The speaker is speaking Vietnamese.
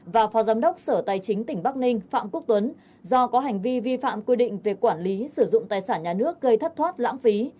và phó giám đốc sở tài chính tỉnh bắc ninh phạm quốc tuấn do có hành vi vi phạm quy định về quản lý sử dụng tài sản nhà nước gây thất thoát lãng phí